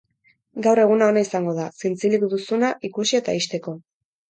Gaur eguna ona izango da, zintzilik duzuna ikusi eta ixteko.